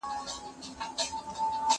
زه سیر کړی دی،